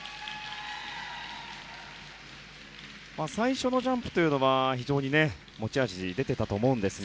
最初のジャンプというのは非常に持ち味が出ていたと思うんですが。